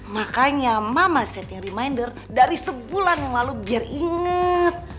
makanya mama setting reminder dari sebulan lalu biar inget